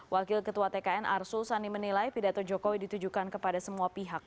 wakil ketua tkn arsul sani menilai pidato jokowi ditujukan kepada semua pihak